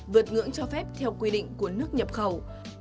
vượt ngưỡng cho phép theo quy định của nước nhập khẩu